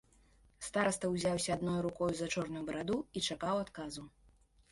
Стараста ўзяўся адной рукою за чорную бараду і чакаў адказу.